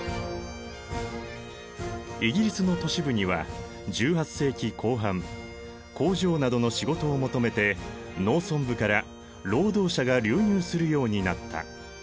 イギリスの都市部には１８世紀後半工場などの仕事を求めて農村部から労働者が流入するようになった。